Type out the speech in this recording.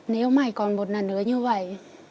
nếu mày còn một lần nữa như vậy